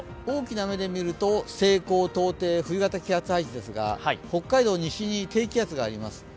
大きな目で見ると西高東低、冬型気圧配置ですが、北海道西に低気圧があります。